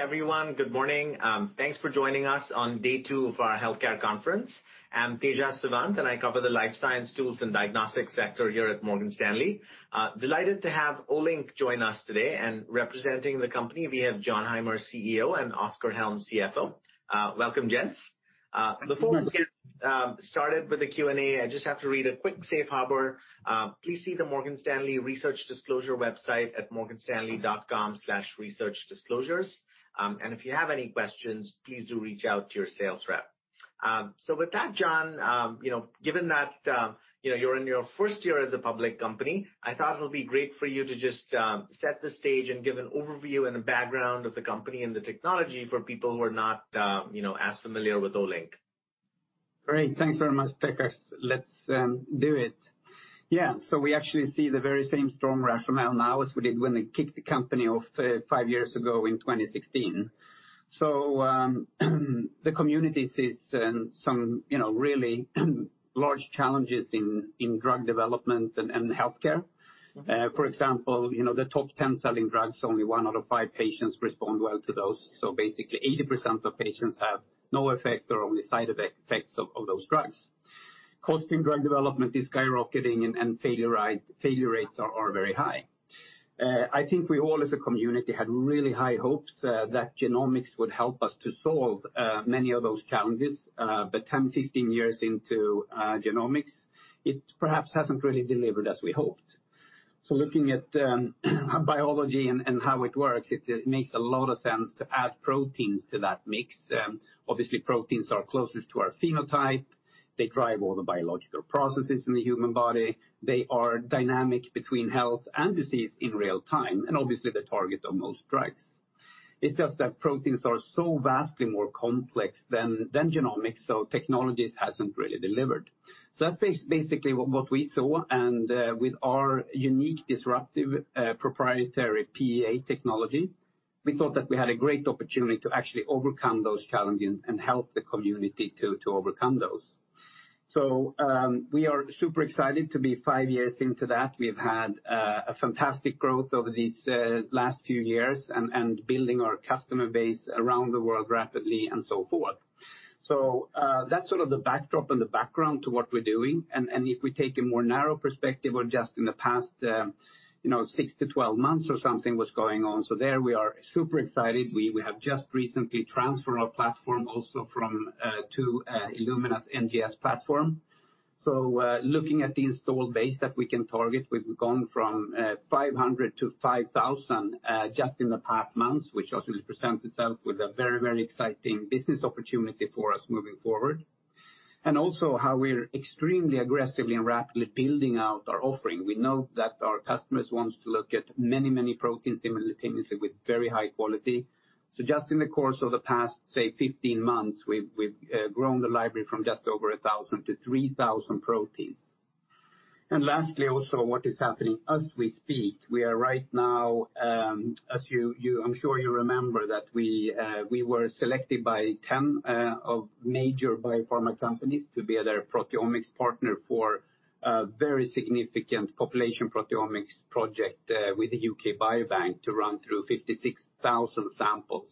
Hey everyone. Good morning. Thanks for joining us on day two of our healthcare conference. I'm Tejas Savant, I cover the life science tools and diagnostics sector here at Morgan Stanley. Delighted to have Olink join us today, representing the company, we have Jon Heimer, CEO, and Oskar Hjelm, CFO. Welcome, gents. Before we get started with the Q and A, I just have to read a quick safe harbor. Please see the Morgan Stanley research disclosure website at morganstanley.com/researchdisclosures. If you have any questions, please do reach out to your sales rep. With that, Jon, given that you're in your first year as a public company, I thought it would be great for you to just set the stage and give an overview and a background of the company and the technology for people who are not as familiar with Olink. Great. Thanks very much, Tejas. Let's do it. We actually see the very same strong rationale now as we did when we kicked the company off five years ago in 2016. The community sees some really large challenges in drug development and healthcare. For example, the top 10 selling drugs, only one out of five patients respond well to those. Basically, 80% of patients have no effect or only side effects of those drugs. Cost in drug development is skyrocketing, and failure rates are very high. I think we all as a community had really high hopes that genomics would help us to solve many of those challenges. 10 years, 15 years into genomics, it perhaps hasn't really delivered as we hoped. Looking at biology and how it works, it makes a lot of sense to add proteins to that mix. Obviously, proteins are closest to our phenotype. They drive all the biological processes in the human body. They are dynamic between health and disease in real time, and obviously the target of most drugs. It's just that proteins are so vastly more complex than genomics, so technologies hasn't really delivered. That's basically what we saw, and with our unique, disruptive, proprietary PEA technology, we thought that we had a great opportunity to actually overcome those challenges and help the community to overcome those. We are super excited to be five years into that. We've had a fantastic growth over these last few years and building our customer base around the world rapidly and so forth. That's sort of the backdrop and the background to what we're doing. If we take a more narrow perspective of just in the past six to 12 months or something, what's going on. There we are super excited. We have just recently transferred our platform also to Illumina's NGS platform. Looking at the installed base that we can target, we've gone from 500-5,000 just in the past months, which also presents itself with a very exciting business opportunity for us moving forward. Also how we're extremely aggressively and rapidly building out our offering. We know that our customers want to look at many proteins simultaneously with very high quality. Just in the course of the past, say, 15 months, we've grown the library from just over 1,000-3,000 proteins. Lastly, also, what is happening as we speak, we are right now, as I'm sure you remember, that we were selected by 10 major biopharma companies to be their proteomics partner for a very significant population proteomics project with the U.K. Biobank to run through 56,000 samples.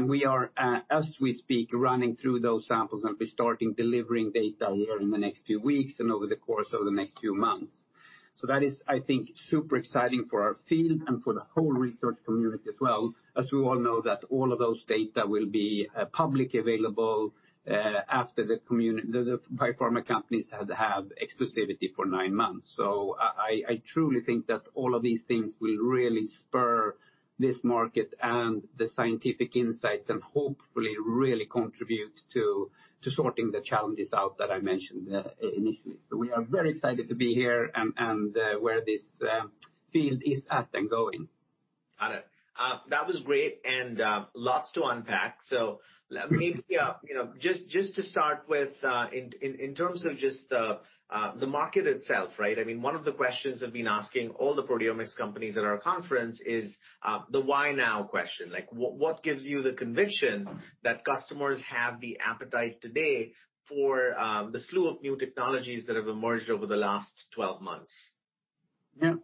We are, as we speak, running through those samples and be starting delivering data here in the next few weeks and over the course of the next few months. That is, I think, super exciting for our field and for the whole research community as well. As we all know that all of those data will be public available after the biopharma companies have exclusivity for nine months. I truly think that all of these things will really spur this market and the scientific insights and hopefully really contribute to sorting the challenges out that I mentioned initially. We are very excited to be here and where this field is at and going. Got it. That was great, and lots to unpack. Maybe just to start with, in terms of just the market itself, right? One of the questions I've been asking all the proteomics companies at our conference is the why now question. What gives you the conviction that customers have the appetite today for the slew of new technologies that have emerged over the last 12 months? Yeah.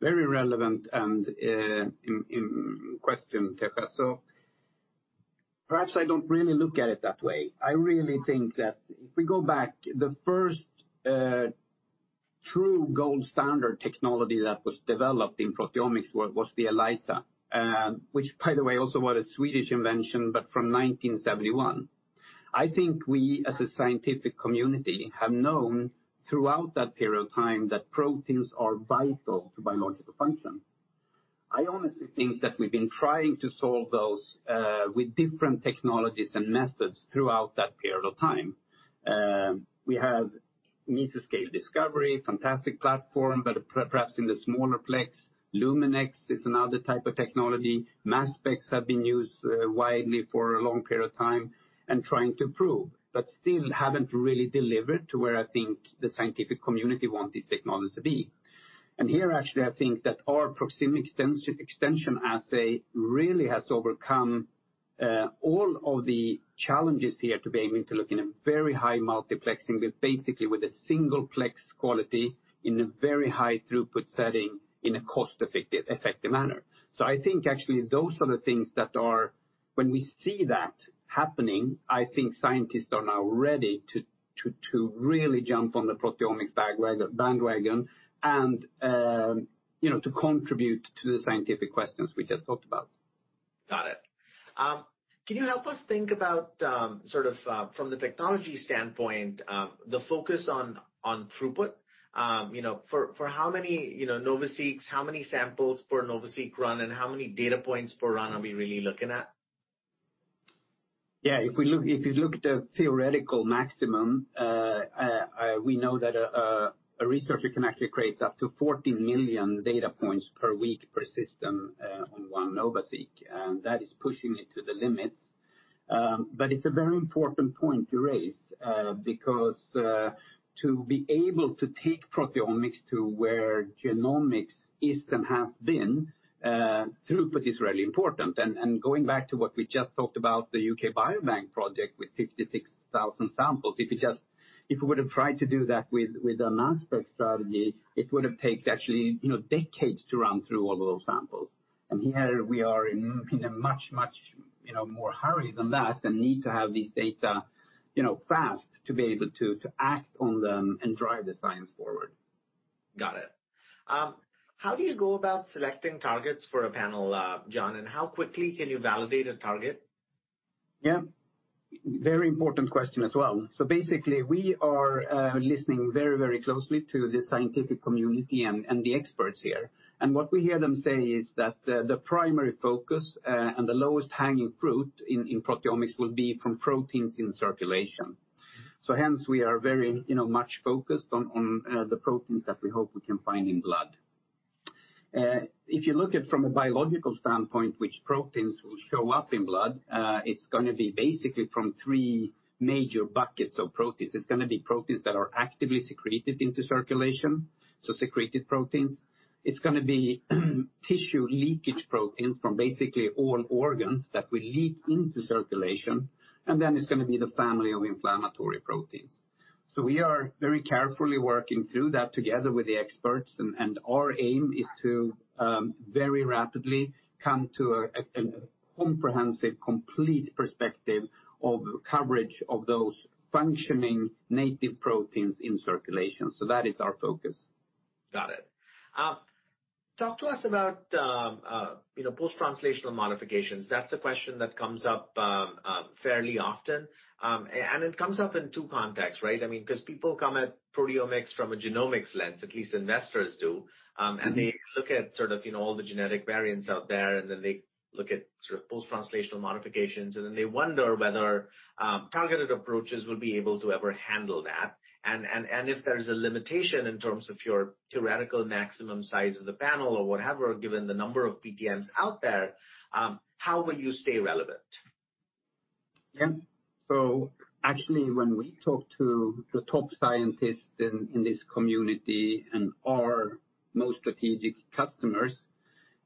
Very relevant question, Tejas. Perhaps I don't really look at it that way. I really think that if we go back, the first true gold standard technology that was developed in proteomics was the ELISA, which by the way, also was a Swedish invention, but from 1971. I think we, as a scientific community, have known throughout that period of time that proteins are vital to biological function. I honestly think that we've been trying to solve those with different technologies and methods throughout that period of time. We have Meso Scale Discovery, fantastic platform, but perhaps in the smaller plex. Luminex is another type of technology. Mass specs have been used widely for a long period of time and trying to prove, but still haven't really delivered to where I think the scientific community want this technology to be. Here, actually, I think that our Proximity Extension Assay really has overcome all of the challenges here to be able to look in a very high multiplexing with basically a single-plex quality in a very high throughput setting in a cost-effective manner. I think actually those are the things that are, when we see that happening, I think scientists are now ready to really jump on the proteomics bandwagon and to contribute to the scientific questions we just talked about. Got it. Can you help us think about, from the technology standpoint, the focus on throughput? For how many NovaSeq, how many samples per NovaSeq run, and how many data points per run are we really looking at? Yeah. If you look at the theoretical maximum, we know that a researcher can actually create up to 40 million data points per week per system on one NovaSeq. That is pushing it to the limits. It's a very important point to raise, because, to be able to take proteomics to where genomics is and has been, throughput is really important. Going back to what we just talked about, the U.K. Biobank project with 56,000 samples, if we would've tried to do that with a mass spec strategy, it would've taken actually decades to run through all of those samples. Here we are in a much, much more hurry than that and need to have this data fast to be able to act on them and drive the science forward. Got it. How do you go about selecting targets for a panel, Jon, and how quickly can you validate a target? Yeah. Very important question as well. Basically, we are listening very closely to the scientific community and the experts here. What we hear them say is that the primary focus, and the lowest hanging fruit in proteomics will be from proteins in circulation. Hence, we are very much focused on the proteins that we hope we can find in blood. If you look at from a biological standpoint, which proteins will show up in blood, it's going to be basically from three major buckets of proteins. It's going to be proteins that are actively secreted into circulation, so secreted proteins. It's going to be tissue leakage proteins from basically all organs that will leak into circulation. Then it's going to be the family of inflammatory proteins. We are very carefully working through that together with the experts, and our aim is to very rapidly come to a comprehensive, complete perspective of coverage of those functioning native proteins in circulation. That is our focus. Got it. Talk to us about post-translational modifications. That's a question that comes up fairly often. It comes up in two contexts, right? People come at proteomics from a genomics lens, at least investors do. They look at sort of all the genetic variants out there, and then they look at sort of post-translational modifications, and then they wonder whether targeted approaches will be able to ever handle that. If there's a limitation in terms of your theoretical maximum size of the panel or whatever, given the number of PTMs out there, how will you stay relevant? Yeah. Actually, when we talk to the top scientists in this community and our most strategic customers,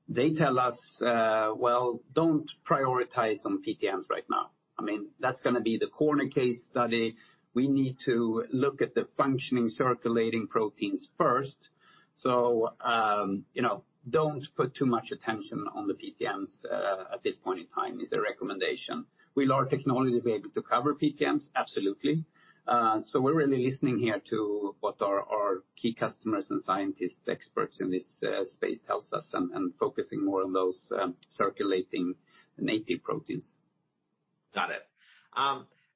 they tell us, "Well, don't prioritize on PTMs right now. That's going to be the corner case study. We need to look at the functioning, circulating proteins first. Don't put too much attention on the PTMs at this point in time," is their recommendation. Will our technology be able to cover PTMs? Absolutely. We're really listening here to what our key customers and scientists, experts in this space tell us, and focusing more on those circulating native proteins. Got it.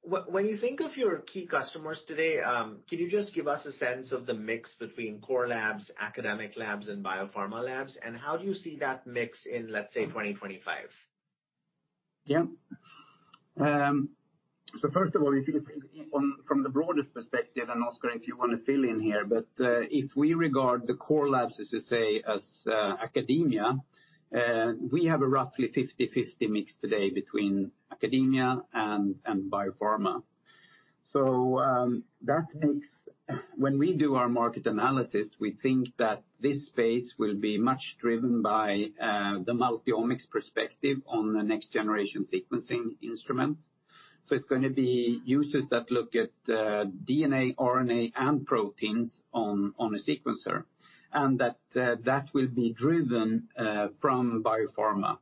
When you think of your key customers today, can you just give us a sense of the mix between core labs, academic labs, and biopharma labs? How do you see that mix in, let's say, 2025? First of all, if you think from the broadest perspective, and Oskar, if you want to fill in here, but if we regard the core labs, as we say, as academia, we have a roughly 50/50 mix today between academia and biopharma. When we do our market analysis, we think that this space will be much driven by the multi-omics perspective on the next-generation sequencing instrument. It's going to be users that look at DNA, RNA, and proteins on a sequencer, and that will be driven from biopharma.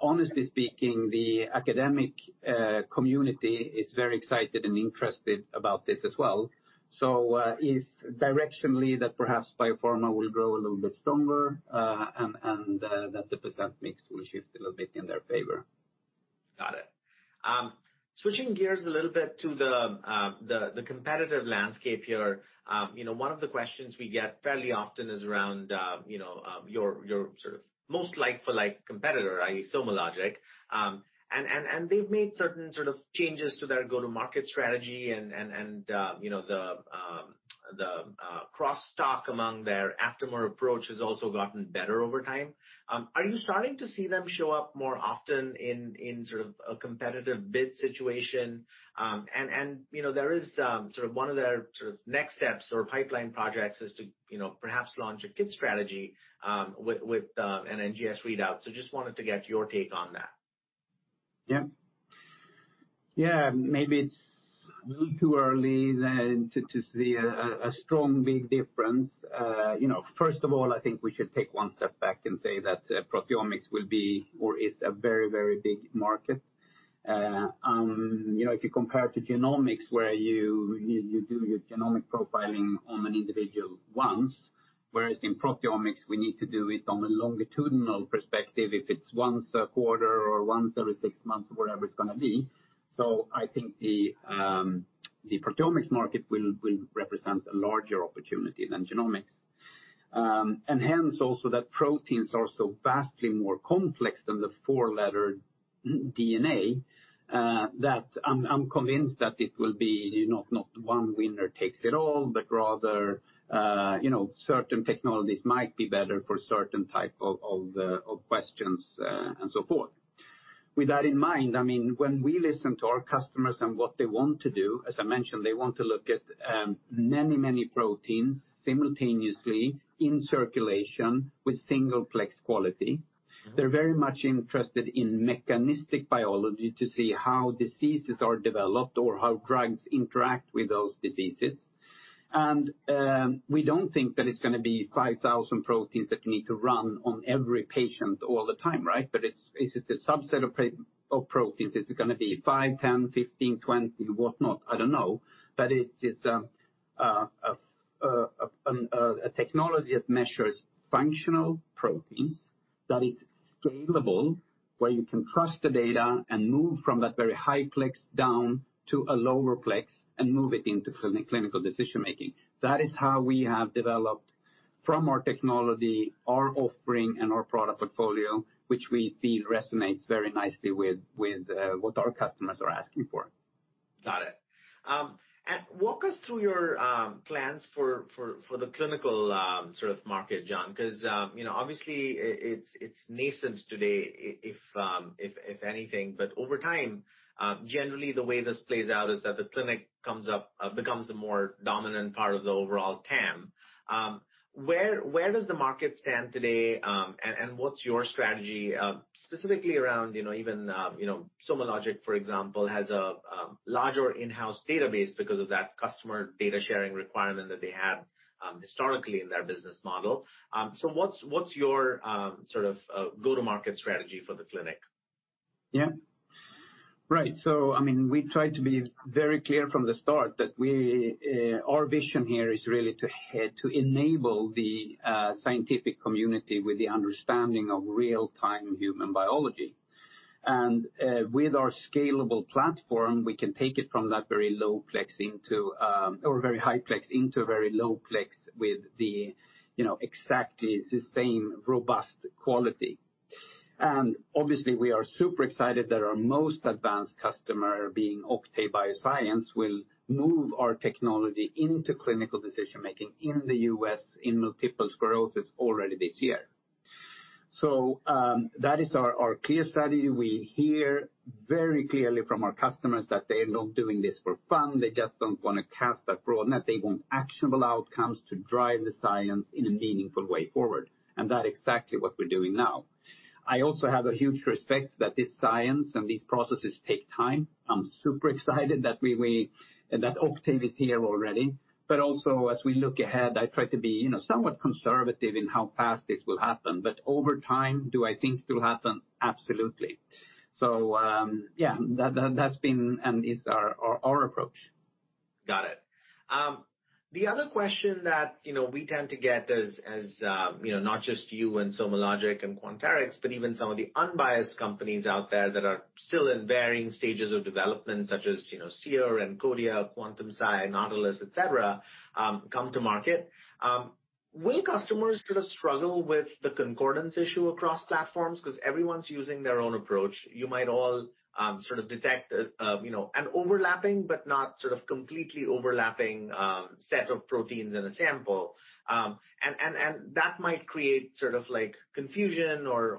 Honestly speaking, the academic community is very excited and interested about this as well. If directionally that perhaps biopharma will grow a little bit stronger, and that the [percent] mix will shift a little bit in their favor. Got it. Switching gears a little bit to the competitive landscape here. One of the questions we get fairly often is around your sort of most like for like competitor, i.e. SomaLogic, and they've made certain sort of changes to their go-to-market strategy and the cross talk among their aptamer approach has also gotten better over time. Are you starting to see them show up more often in sort of a competitive bid situation? There is sort of one of their next steps or pipeline projects is to perhaps launch a kit strategy with an NGS readout. Just wanted to get your take on that. Yeah, maybe it is a little too early then to see a strong, big difference. First of all, I think we should take one step back and say that proteomics will be or is a very, very big market. If you compare it to genomics, where you do your genomic profiling on an individual once, whereas in proteomics, we need to do it on a longitudinal perspective, if it is once a quarter or once every six months, whatever it is going to be. I think the proteomics market will represent a larger opportunity than genomics. Hence also that proteins are so vastly more complex than the four letter DNA, that I am convinced that it will be not one winner takes it all, but rather certain technologies might be better for certain type of questions, and so forth. With that in mind, when we listen to our customers and what they want to do, as I mentioned, they want to look at many, many proteins simultaneously in circulation with single-plex quality. They're very much interested in mechanistic biology to see how diseases are developed or how drugs interact with those diseases. We don't think that it's going to be 5,000 proteins that you need to run on every patient all the time, right? Is it a subset of proteins? Is it going to be five, 10, 15, 20, whatnot? I don't know. It is a technology that measures functional proteins that is scalable, where you can trust the data and move from that very high plex down to a lower plex and move it into clinical decision-making. That is how we have developed from our technology, our offering, and our product portfolio, which we feel resonates very nicely with what our customers are asking for. Got it. Walk us through your plans for the clinical sort of market, Jon, because, obviously it's nascent today, if anything, but over time, generally the way this plays out is that the clinic becomes a more dominant part of the overall TAM. Where does the market stand today, and what's your strategy, specifically around even, SomaLogic, for example, has a larger in-house database because of that customer data-sharing requirement that they had historically in their business model. What's your sort of go-to-market strategy for the clinic? Yeah. Right. We tried to be very clear from the start that our vision here is really to enable the scientific community with the understanding of real-time human biology. With our scalable platform, we can take it from that very low plex into or very high plex into a very low plex with the exactly the same robust quality. Obviously, we are super excited that our most advanced customer, being Octave Bioscience, will move our technology into clinical decision-making in the U.S. in multiple sclerosis already this year. That is our clear strategy. We hear very clearly from our customers that they're not doing this for fun. They just don't want to cast a broad net. They want actionable outcomes to drive the science in a meaningful way forward. That's exactly what we're doing now. I also have a huge respect that this science and these processes take time. I'm super excited that Octave is here already. Also, as we look ahead, I try to be somewhat conservative in how fast this will happen. Over time, do I think it will happen? Absolutely. Yeah, that's been and is our approach. Got it. The other question that we tend to get as, not just you and SomaLogic and Quanterix, but even some of the unbiased companies out there that are still in varying stages of development, such as Seer and Encodia, Quantum-Si, Nautilus, et cetera, come to market. Will customers sort of struggle with the concordance issue across platforms because everyone's using their own approach? You might all sort of detect an overlapping but not sort of completely overlapping set of proteins in a sample. That might create sort of like confusion or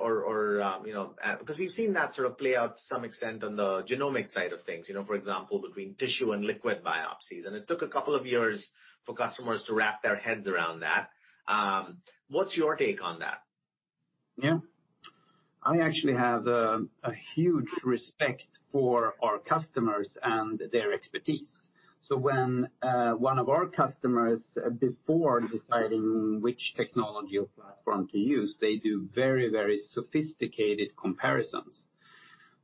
because we've seen that sort of play out to some extent on the genomic side of things. For example, between tissue and liquid biopsies, and it took a couple of years for customers to wrap their heads around that. What's your take on that? I actually have a huge respect for our customers and their expertise. When one of our customers, before deciding which technology or platform to use, they do very, very sophisticated comparisons.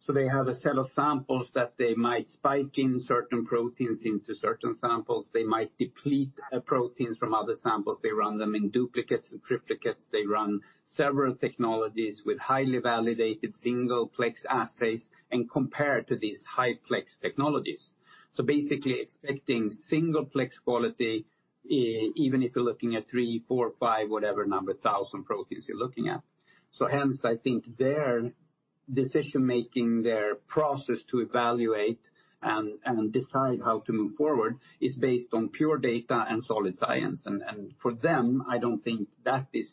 They have a set of samples that they might spike in certain proteins into certain samples. They might deplete proteins from other samples. They run them in duplicates and triplicates. They run several technologies with highly validated single-plex assays and compare to these high-plex technologies. Basically expecting single-plex quality, even if you're looking at three, four, five, whatever number, 1,000 proteins you're looking at. Hence, I think their decision-making, their process to evaluate and decide how to move forward is based on pure data and solid science. For them, I don't think that is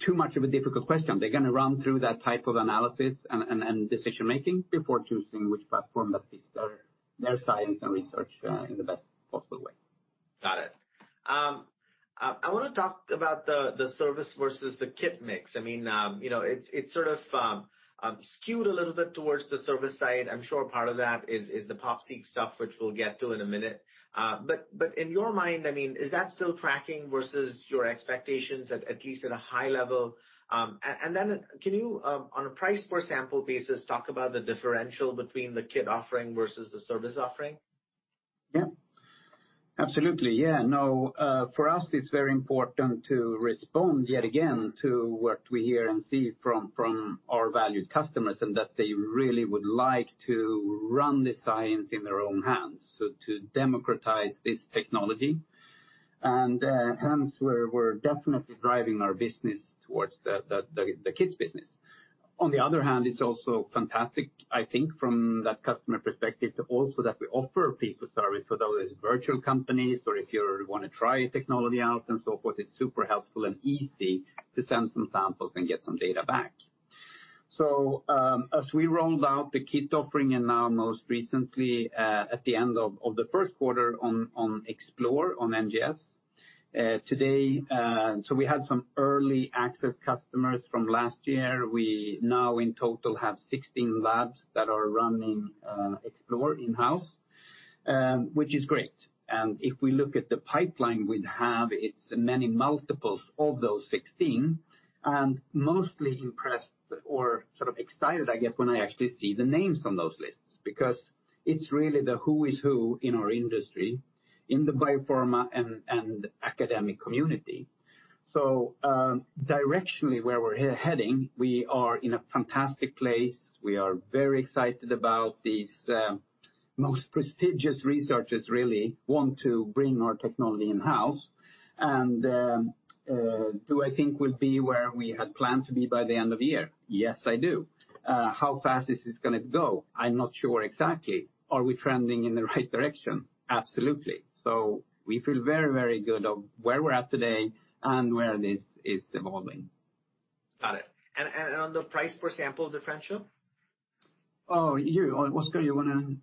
too much of a difficult question. They're going to run through that type of analysis and decision-making before choosing which platform that fits their science and research in the best possible way. Got it. I want to talk about the service versus the kit mix. It's sort of skewed a little bit towards the service side. I'm sure part of that is the PopSeq stuff, which we'll get to in a minute. In your mind, is that still tracking versus your expectations, at least at a high level? Can you, on a price per sample basis, talk about the differential between the kit offering versus the service offering? Absolutely, yeah. For us, it's very important to respond, yet again, to what we hear and see from our valued customers, and that they really would like to run the science in their own hands, so to democratize this technology. Hence, we're definitely driving our business towards the kits business. On the other hand, it's also fantastic, I think, from that customer perspective, to also that we offer people service, whether it's virtual companies or if you want to try technology out and so forth, it's super helpful and easy to send some samples and get some data back. As we rolled out the kit offering and now most recently, at the end of the first quarter on Explore on NGS. Today, we had some early access customers from last year. We now in total have 16 labs that are running Explore in-house, which is great. If we look at the pipeline we have, it's many multiples of those 16. Mostly impressed or sort of excited, I guess, when I actually see the names on those lists, because it's really the who is who in our industry, in the biopharma and academic community. Directionally, where we're heading, we are in a fantastic place. We are very excited about these most prestigious researchers really want to bring our technology in-house. Do I think we'll be where we had planned to be by the end of the year? Yes, I do. How fast is this going to go? I'm not sure exactly. Are we trending in the right direction? Absolutely. We feel very, very good of where we're at today and where this is evolving. Got it. On the price per sample differential? Oh, you. Oskar, you want to?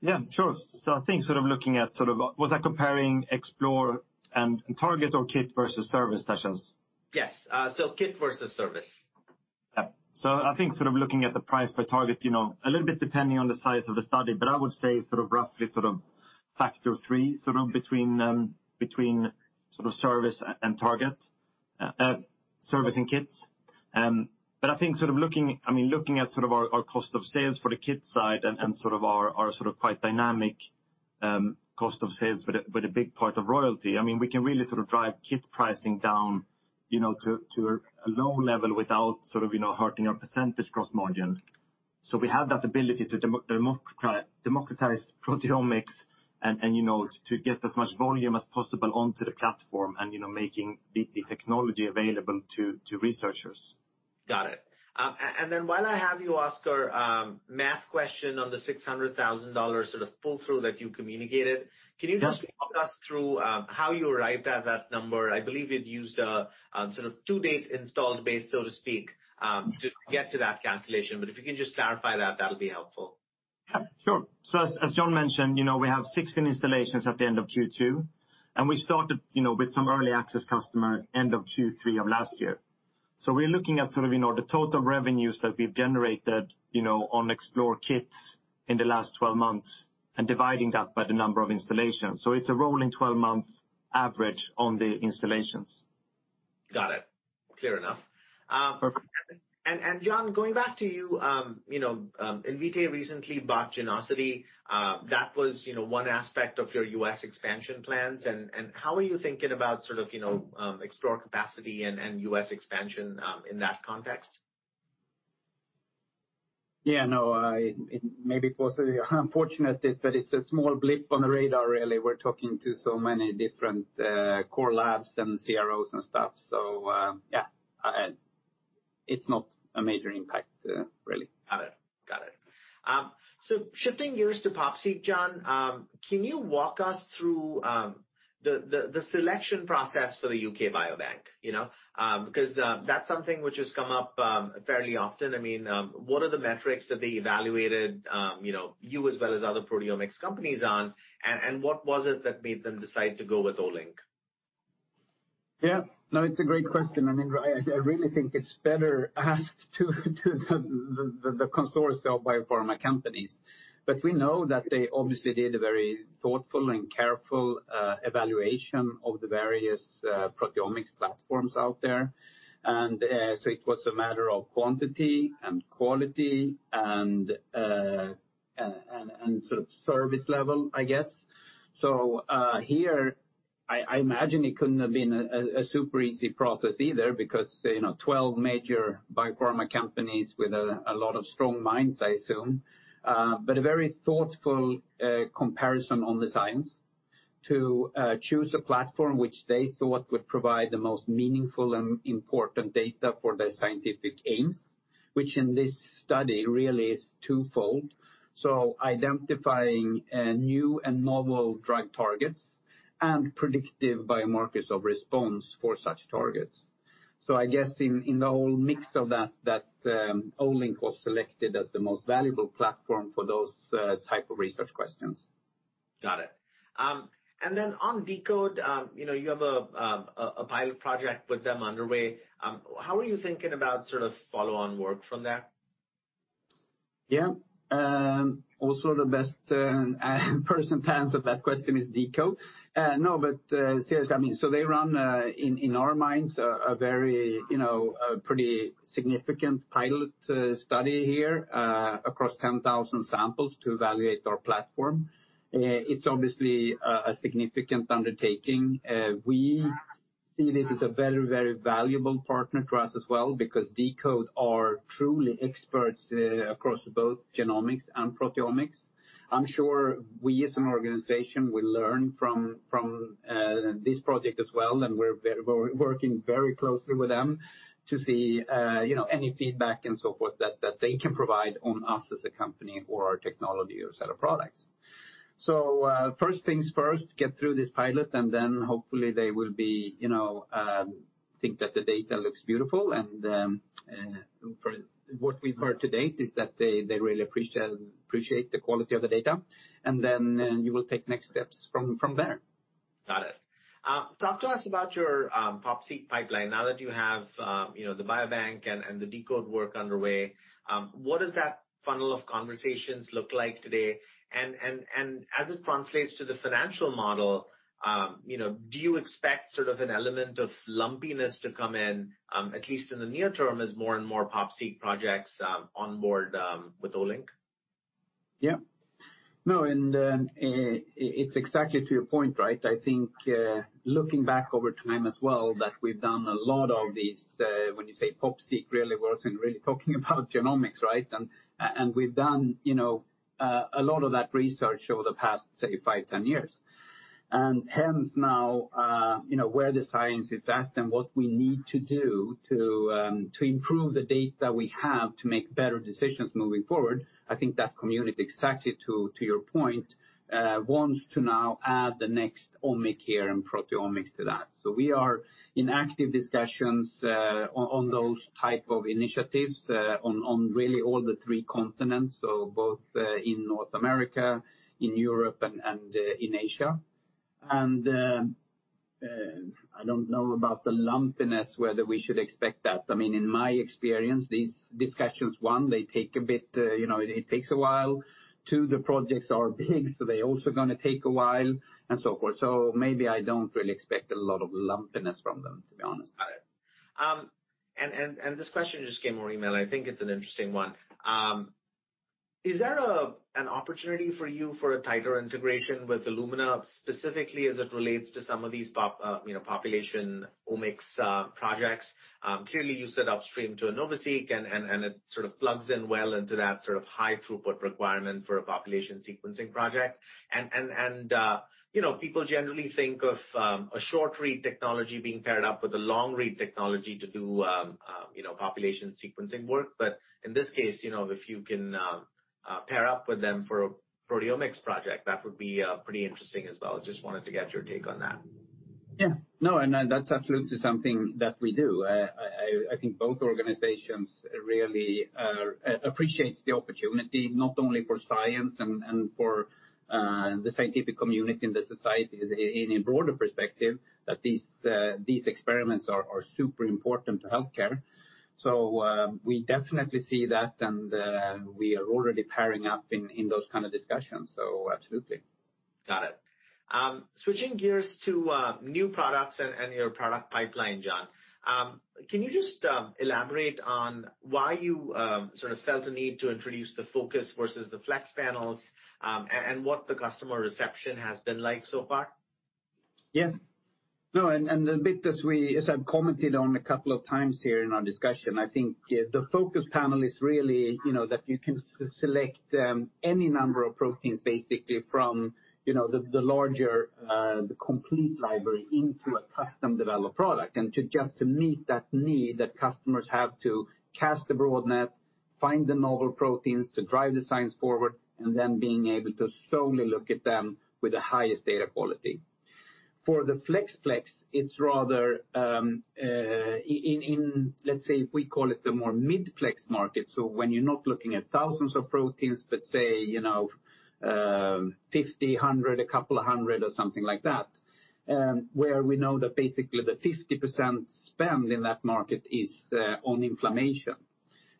Yeah, sure. I think looking at, was that comparing Explore and Target or kit versus service, Tejas? Yes. kit versus service. Yeah. I think looking at the price per target, a little bit depending on the size of the study, but I would say roughly factor of three between, service and target service and kits. I think looking at our cost of sales for the kit side and our quite dynamic cost of sales with a big part of royalty, we can really sort of drive kit pricing down to a low level without hurting our percentage gross margin. We have that ability to democratize proteomics and to get as much volume as possible onto the platform and making the technology available to researchers. Got it. While I have you, Oskar, math question on the $600,000 sort of pull-through that you communicated. Can you just walk us through how you arrived at that number? I believe you'd used a sort of to-date installed base, so to speak, to get to that calculation. If you can just clarify that'll be helpful. Yeah, sure. As Jon mentioned, we have 16 installations at the end of Q2. We started with some early access customers end of Q3 of last year. We're looking at the total revenues that we've generated on Explore kits in the last 12 months and dividing that by the number of installations. It's a rolling 12 month average on the installations. Got it. Clear enough. Perfect. Jon, going back to you. Invitae recently bought Genosity. That was one aspect of your U.S. expansion plans. How are you thinking about Explore capacity and U.S. expansion in that context? Yeah, no, maybe fortunately or unfortunately, but it's a small blip on the radar, really. We're talking to so many different core labs and CROs and stuff, yeah, it's not a major impact, really. Got it. Shifting gears to PopSeq, Jon, can you walk us through the selection process for the U.K. Biobank? That's something which has come up fairly often. What are the metrics that they evaluated you as well as other proteomics companies on, and what was it that made them decide to go with Olink? Yeah. No, it's a great question. I really think it's better asked to the consortia of biopharma companies. We know that they obviously did a very thoughtful and careful evaluation of the various proteomics platforms out there. It was a matter of quantity and quality and service level, I guess. Here, I imagine it couldn't have been a super easy process either because 12 major biopharma companies with a lot of strong minds, I assume. A very thoughtful comparison on the science to choose a platform which they thought would provide the most meaningful and important data for their scientific aims, which in this study really is twofold, identifying new and novel drug targets and predictive biomarkers of response for such targets. I guess in the whole mix of that, Olink was selected as the most valuable platform for those type of research questions. Got it. On deCODE, you have a pilot project with them underway. How are you thinking about follow-on work from that? Yeah. Also the best person to answer that question is deCODE. Seriously, they run, in our minds, a pretty significant pilot study here across 10,000 samples to evaluate our platform. It's obviously a significant undertaking. We see this as a very, very valuable partner to us as well, because deCODE are truly experts across both genomics and proteomics. I'm sure we, as an organization, will learn from this project as well, and we're working very closely with them to see any feedback and so forth that they can provide on us as a company or our technology or set of products. First things first, get through this pilot, and then hopefully they will think that the data looks beautiful, and from what we've heard to date is that they really appreciate the quality of the data. You will take next steps from there. Got it. Talk to us about your PopSeq pipeline now that you have the biobank and the deCODE work underway. What does that funnel of conversations look like today? As it translates to the financial model, do you expect an element of lumpiness to come in, at least in the near term, as more and more PopSeq projects onboard with Olink? Yeah. No, it's exactly to your point, right? I think, looking back over time as well, that we've done a lot of these, when you say PopSeq, really we're talking about genomics, right? We've done a lot of that research over the past, say, five, 10 years. Hence now, where the science is at and what we need to do to improve the data we have to make better decisions moving forward, I think that community, exactly to your point, wants to now add the next [omic] here and proteomics to that. We are in active discussions on those type of initiatives, on really all the three continents, so both in North America, in Europe, and in Asia. I don't know about the lumpiness, whether we should expect that. In my experience, these discussions, one, they take a bit, it takes a while. Two, the projects are big, so they're also going to take a while, and so forth. Maybe I don't really expect a lot of lumpiness from them, to be honest. Got it. This question just came over email, I think it's an interesting one. Is that an opportunity for you for a tighter integration with Illumina, specifically as it relates to some of these population omics projects? Clearly, you sit upstream to NovaSeq, it sort of plugs in well into that sort of high throughput requirement for a population sequencing project. People generally think of a short-read technology being paired up with a long-read technology to do population sequencing work. In this case, if you can pair up with them for a proteomics project, that would be pretty interesting as well. Just wanted to get your take on that. No, that's absolutely something that we do. I think both organizations really appreciate the opportunity, not only for science and for the scientific community and the societies in a broader perspective, that these experiments are super important to healthcare. We definitely see that, and we are already pairing up in those kind of discussions. Absolutely. Got it. Switching gears to new products and your product pipeline, Jon. Can you just elaborate on why you felt a need to introduce the Focus versus the Flex panels, and what the customer reception has been like so far? Yes. No, but as I've commented on a couple of times here in our discussion, I think the Focus panel is really that you can select any number of proteins, basically, from the larger, the complete library into a custom-developed product. To just to meet that need that customers have to cast a broad net, find the novel proteins to drive the science forward, and then being able to solely look at them with the highest data quality. For the Flex, it's rather, let's say we call it the more mid-plex market, so when you're not looking at thousands of proteins, but say, 50, 100, a couple of hundred or something like that, where we know that basically the 50% spend in that market is on inflammation.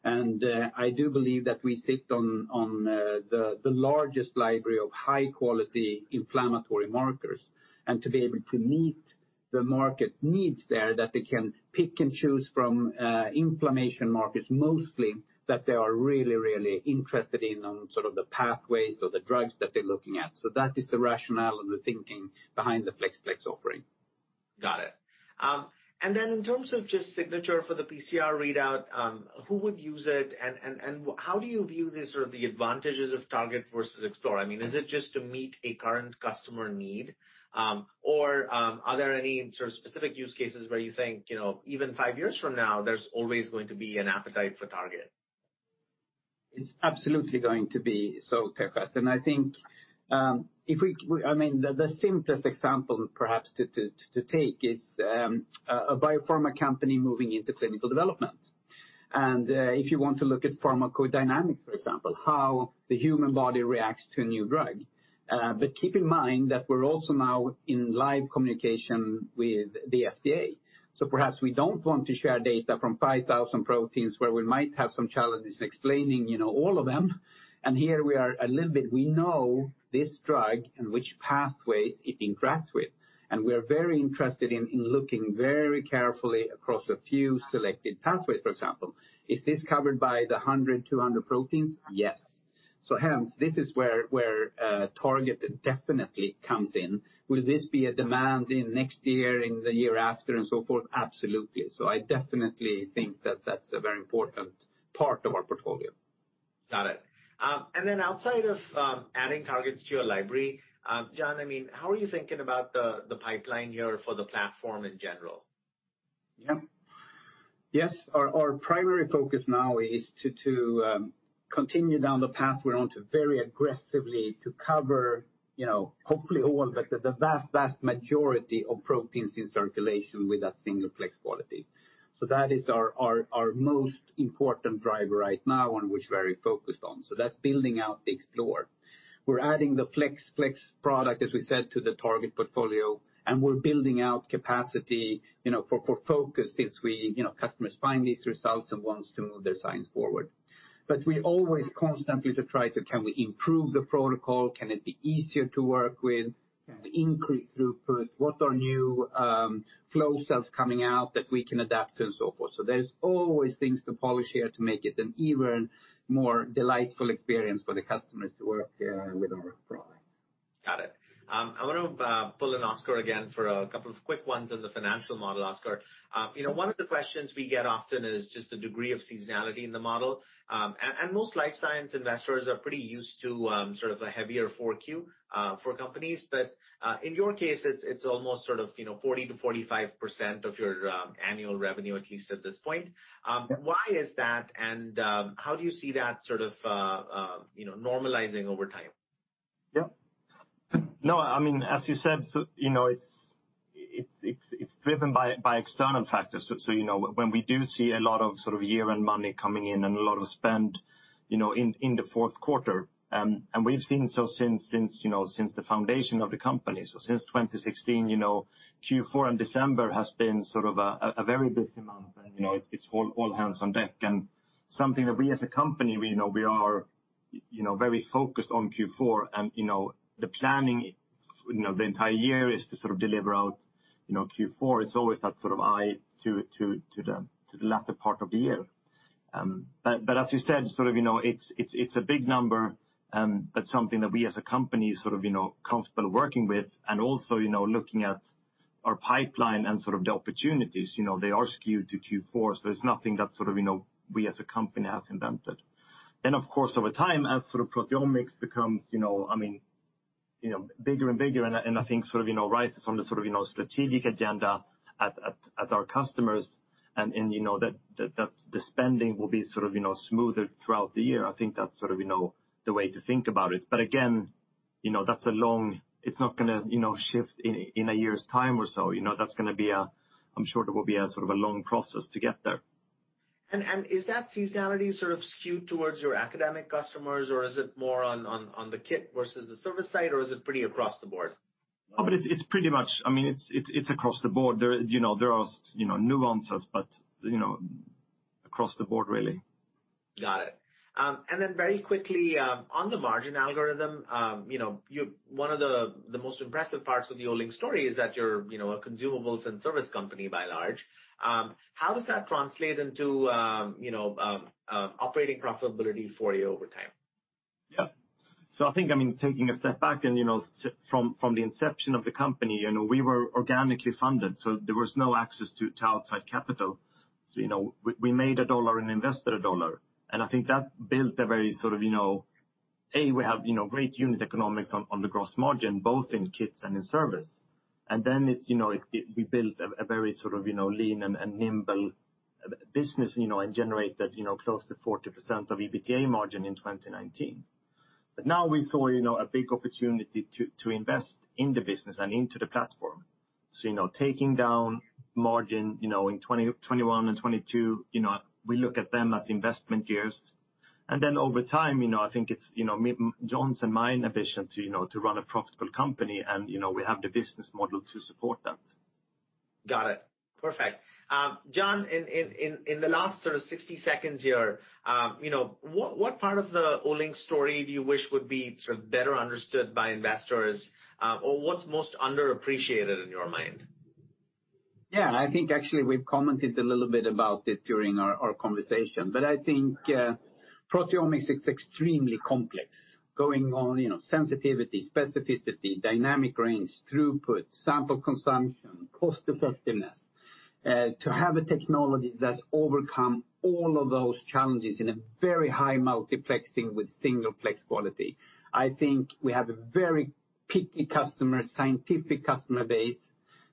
I do believe that we sit on the largest library of high-quality inflammatory markers. To be able to meet the market needs there, that they can pick and choose from inflammation markets mostly, that they are really, really interested in on the pathways or the drugs that they're looking at. That is the rationale and the thinking behind the FlexPlex offering. Got it. In terms of just Signature for the PCR readout, who would use it and how do you view the advantages of Target versus Explore? Is it just to meet a current customer need? Are there any specific use cases where you think, even five years from now, there's always going to be an appetite for Target? It's absolutely going to be, Tejas. I think, the simplest example perhaps to take is a biopharma company moving into clinical development. If you want to look at pharmacodynamics, for example, how the human body reacts to a new drug. Keep in mind that we're also now in live communication with the FDA. Perhaps we don't want to share data from 5,000 proteins where we might have some challenges explaining all of them. Here we are a little bit, we know this drug and which pathways it interacts with. We're very interested in looking very carefully across a few selected pathways, for example. Is this covered by the 100, 200 proteins? Yes. Hence, this is where targeted definitely comes in. Will this be a demand in next year, in the year after, and so forth? Absolutely. I definitely think that that's a very important part of our portfolio. Got it. Outside of adding targets to your library, Jon, how are you thinking about the pipeline here for the platform in general? Yes, our primary focus now is to continue down the path we're on to very aggressively cover, hopefully all, but the vast majority of proteins in circulation with that single plex quality. That is our most important driver right now and which we're very focused on. That's building out the Explore. We're adding the FlexPlex product, as we said, to the Target portfolio, and we're building out capacity for Focus since customers find these results and want to move their science forward. We always constantly try to, can we improve the protocol? Can it be easier to work with? Can it increase throughput? What are new flow cells coming out that we can adapt and so forth. There's always things to polish here to make it an even more delightful experience for the customers to work with our products. Got it. I want to pull in Oskar again for a couple of quick ones on the financial model, Oskar. One of the questions we get often is just the degree of seasonality in the model. Most life science investors are pretty used to sort of a heavier 4Q for companies. In your case, it's almost sort of 40%-45% of your annual revenue, at least at this point. Why is that, and how do you see that sort of normalizing over time? No, as you said, it's driven by external factors. When we do see a lot of sort of year-end money coming in and a lot of spend in the fourth quarter, and we've seen so since the foundation of the company. Since 2016, Q4 and December has been sort of a very busy month, and it's all hands on deck. Something that we as a company, we are very focused on Q4 and the planning the entire year is to sort of deliver out Q4. It's always that sort of eye to the latter part of the year. As you said, it's a big number, but something that we as a company is sort of comfortable working with and also, looking at our pipeline and sort of the opportunities, they are skewed to Q4, so it's nothing that sort of we as a company has invented. Of course, over time, as sort of proteomics becomes bigger and bigger and I think sort of rises on the sort of strategic agenda at our customers and the spending will be sort of smoother throughout the year. I think that's sort of the way to think about it. Again, that's a long it's not going to shift in a year's time or so. I'm sure it will be a sort of a long process to get there. Is that seasonality sort of skewed towards your academic customers or is it more on the kit versus the service side or is it pretty across the board? No, but it is pretty much, it is across the board. There are nuances, but across the board really. Got it. Very quickly, on the margin algorithm, one of the most impressive parts of the Olink story is that you're a consumables and service company by and large. How does that translate into operating profitability for you over time? Yeah. I think, taking a step back and from the inception of the company, we were organically funded, there was no access to outside capital. We made a dollar and invested a dollar. I think that built a very sort of, we have great unit economics on the gross margin, both in kits and in service. We built a very sort of lean and nimble business and generated close to 40% of EBITDA margin in 2019. Now we saw a big opportunity to invest in the business and into the platform. Taking down margin, in 2020, 2021, and 2022, we look at them as investment years. Over time, I think it's Jon's and my ambition to run a profitable company and we have the business model to support that. Got it. Perfect. Jon, in the last sort of 60 seconds here, what part of the Olink story do you wish would be sort of better understood by investors? Or what's most underappreciated in your mind? I think actually we've commented a little bit about it during our conversation. I think proteomics is extremely complex, going on sensitivity, specificity, dynamic range, throughput, sample consumption, cost effectiveness. To have a technology that's overcome all of those challenges in a very high multiplexing with single plex quality, I think we have a very picky customer, scientific customer base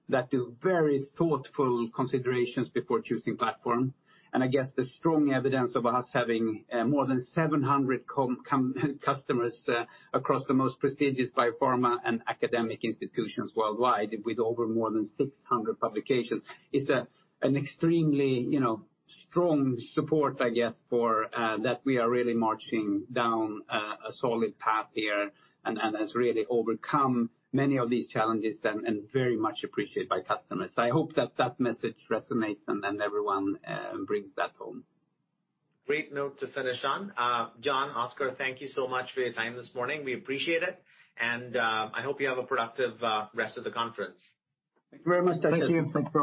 that do very thoughtful considerations before choosing platform. I guess the strong evidence of us having more than 700 customers across the most prestigious biopharma and academic institutions worldwide with over more than 600 publications is an extremely strong support, I guess, for that we are really marching down a solid path here and has really overcome many of these challenges and very much appreciated by customers. I hope that that message resonates and everyone brings that home. Great note to finish on. Jon, Oskar, thank you so much for your time this morning. We appreciate it and I hope you have a productive rest of the conference. Thank you very much. Thank you. Thanks.